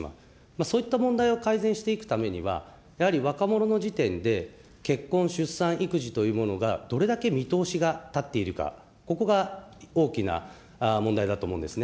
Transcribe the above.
そういった問題を改善していくためには、やはり若者の時点で、結婚、出産、育児というものがどれだけ見通しが立っているか、ここが大きな問題だと思うんですね。